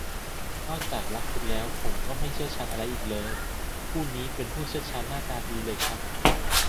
นอกจากรักคุณแล้ว ผมก็ไม่เชี่ยวชาญอะไรอีกเลย ผู้นี้เป็นผู้เชี่ยวชาญหน้าตาดีเลยครับ